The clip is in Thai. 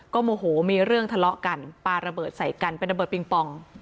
โมโหมีเรื่องทะเลาะกันปลาระเบิดใส่กันเป็นระเบิดปิงปอง